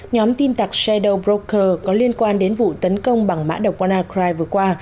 nhóm tin tặc shadow broker có liên quan đến vụ tấn công bằng mã độc wannacry vừa qua